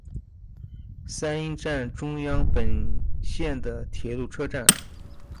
三鹰站中央本线的铁路车站。